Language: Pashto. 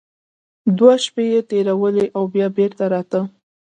دوې شپې يې تېرولې او بيا بېرته راته.